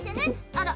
あら？